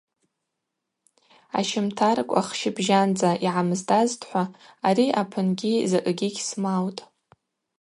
Ащымтаркӏвах щыбжьандза йгӏамыздазтӏхӏва ари апынгьи закӏгьи гьсмаутӏ.